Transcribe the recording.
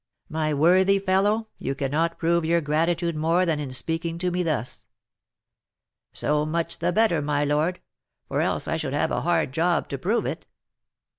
"My worthy fellow, you cannot prove your gratitude more than in speaking to me thus." "So much the better, my lord; for else I should have a hard job to prove it."